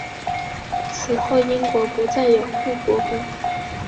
此后英国不再有护国公。